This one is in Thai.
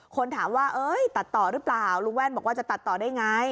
คนถามว่าเอ้ยตัดต่อหรือเปล่าลุงแว่นบอกว่าจะตัดต่อได้ไง